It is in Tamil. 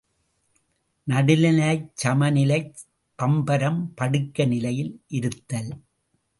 நடுநிலைச் சமநிலை பம்பரம் படுக்கை நிலையில் இருத்தல்.